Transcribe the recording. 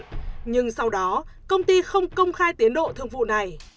nhưng sau đó công ty không công khai tiến độ thương vụ này